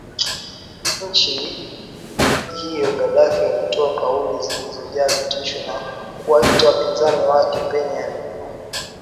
nchi hiyo Gaddafi alitoa kauli zilizojaa vitisho na kuwaita wapinzani wake panya Alipoingia madarakani